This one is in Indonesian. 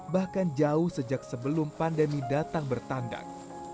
bahkan jauh sejak sebelum pandemi datang bertandak